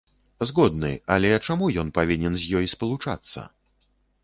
Згодны, але чаму ён павінен з ёй спалучацца?